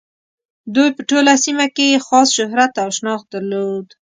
دوی په ټوله سیمه کې یې خاص شهرت او شناخت درلود.